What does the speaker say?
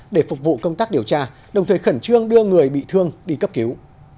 để phục vụ công tác điều tra đồng thời khẩn trương đưa người bị thương đi cấp cứu